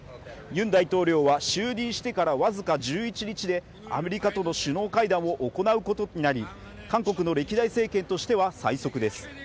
大統領は就任してからわずか１１日でアメリカとの首脳会談を行うことになり韓国の歴代政権としては最速です